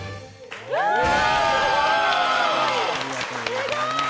すごい。